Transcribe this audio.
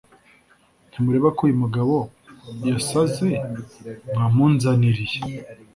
ntimureba ko uyu mugabo yasaze mwamunzaniriye